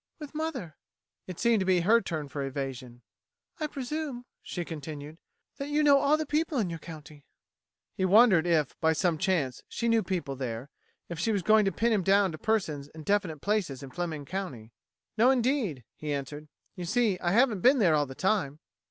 "With mother." It seemed to be her turn for evasion. "I presume," she continued, "that you know all the people in the county?" He wondered if, by some chance, she knew people there, if she was going to pin him down to persons and definite places in Fleming County. "No, indeed," he answered. "You see, I haven't been there all the time."